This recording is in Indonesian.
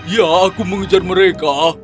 ya aku mengejar mereka